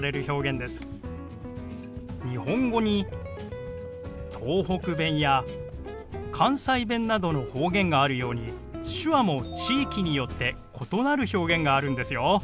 日本語に東北弁や関西弁などの方言があるように手話も地域によって異なる表現があるんですよ。